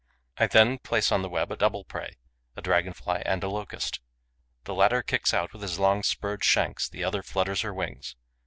I then place on the web a double prey, a Dragon fly and a Locust. The latter kicks out with his long, spurred shanks; the other flutters her wings.